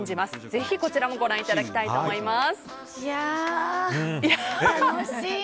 ぜひ、こちらもご覧いただきたいと思います。